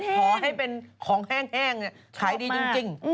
ขอให้เป็นของแห้งขายดีจริง